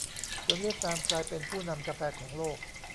จนเวียดนามกลายเป็นผู้นำกาแฟของโลก